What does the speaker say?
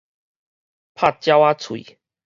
拍鳥仔喙